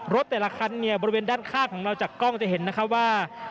รถแต่ละคันบริเวณด้านข้างของเราจากกล้องจะเห็นว่า